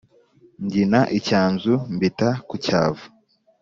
Mbyima icyanzu mbita ku cyavu